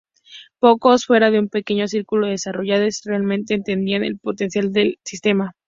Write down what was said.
Pocos fuera de un pequeño círculo de desarrolladores realmente entendían el potencial del sistema.